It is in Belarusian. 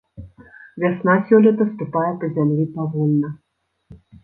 Вясна сёлета ступае па зямлі павольна.